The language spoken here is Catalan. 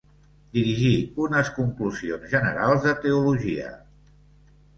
Dirigí unes conclusions generals de teologia.